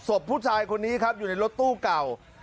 ศพผู้ชายคนนี้ครับอยู่ในรถตู้เก่า